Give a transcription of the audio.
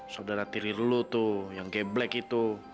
saudara tirir lo tuh yang geblek itu